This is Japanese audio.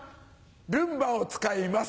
ルンバを使います。